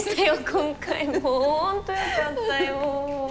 今回もう本当よかったよ。